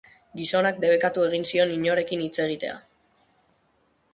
Gizonak debekatu egin zion inorekin hitz egitea.